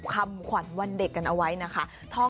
คำขวัญวันเด็กกันเอาไว้นะคะ